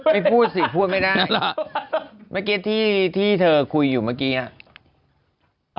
ไม่พูดสิพูดไม่ได้เมื่อกี้ที่เธอคุยอยู่เมื่อกี้อ่ะ